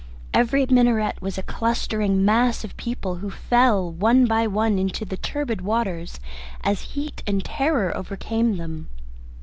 Every minaret was a clustering mass of people, who fell one by one into the turbid waters, as heat and terror overcame them.